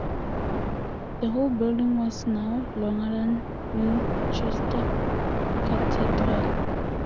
The whole building was now longer than Winchester Cathedral.